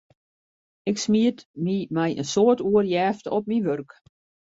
Ik smiet my mei in soad oerjefte op myn wurk.